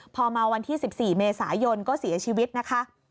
พอมาวันที่๑๔เมษายนก็เสียชีวิตนะคะ